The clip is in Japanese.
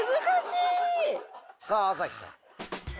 さあ朝日さん。